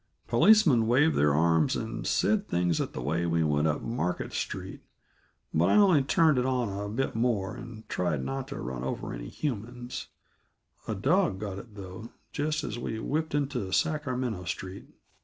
Policemen waved their arms and said things at the way we went up Market Street, but I only turned it on a bit more and tried not to run over any humans; a dog got it, though, just as we whipped into Sacramento Street.